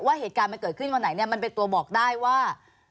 เหตุการณ์มันเกิดขึ้นวันไหนเนี่ยมันเป็นตัวบอกได้ว่า